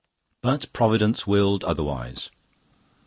But Providence willed otherwise.